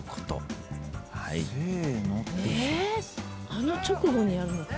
あの直後にやるのか。